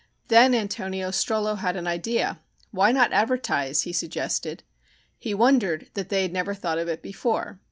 Then Antonio Strollo had an idea. Why not advertise, he suggested. He wondered that they had never thought of it before.